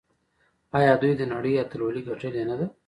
آیا دوی د نړۍ اتلولي ګټلې نه ده؟